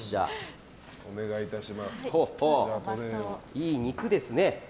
いい肉ですね。